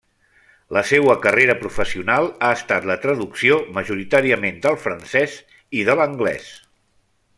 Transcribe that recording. La seua carrera professional ha estat la traducció, majoritàriament del francès i de l'anglès.